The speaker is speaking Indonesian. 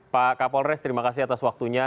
pak kapolres terima kasih atas waktunya